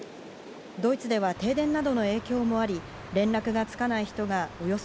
ドイツでは停電などの影響もあり、連絡がつかない人がおよそ